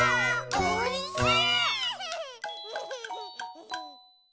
おいしい？